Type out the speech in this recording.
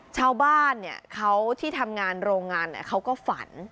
ชาวบ้านเนี่ยเขาที่ทำงานโรงงานเนี่ยเขาก็ฝัน